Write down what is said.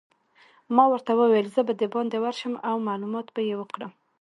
ما ورته وویل: زه به دباندې ورشم او معلومات به يې وکړم.